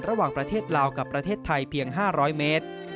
ระหว่างประเทศลาวกับประเทศไทยเพียง๕๐๐เมตร